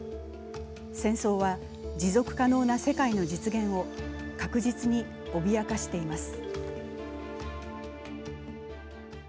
戦争は、持続可能な世界の実現を確実に脅かしています。